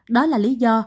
đó là lý do